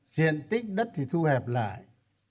diện tích đất thì thu hẹp lại